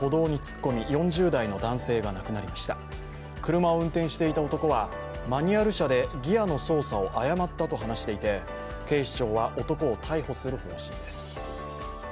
車を運転していた男はマニュアル車でギヤの操作を誤ったと話していて、警視庁は男を逮捕する方針です。